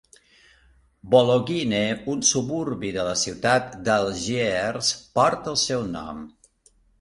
Bologhine, un suburbi de la ciutat d'Algiers, porta el seu nom.